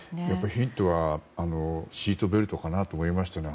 ヒントはシートベルトかなと思いましたね。